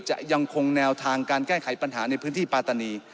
จะยังคงแนวทางการแก้ไขปัญหาในพื้นที่ปาตานี